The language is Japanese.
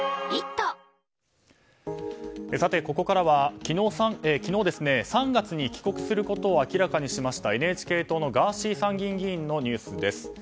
ここからは昨日、３月に帰国することを明らかにしましたＮＨＫ党のガーシー参議院議員のニュースです。